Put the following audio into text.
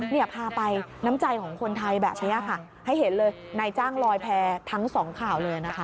เนี่ยพาไปน้ำใจของคนไทยแบบนี้ค่ะให้เห็นเลยนายจ้างลอยแพ้ทั้งสองข่าวเลยนะคะ